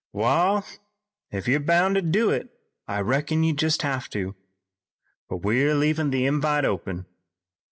"Wa'al, if you're boun' to do it I reckon you jest have to, but we're leavin' the invite open.